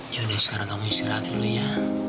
yudi sekarang kamu istirahat dulu ya